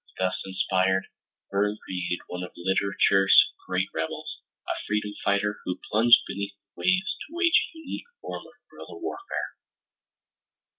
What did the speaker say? Thus inspired, Verne created one of literature's great rebels, a freedom fighter who plunged beneath the waves to wage a unique form of guerilla warfare.